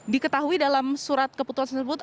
diketahui dalam surat keputusan tersebut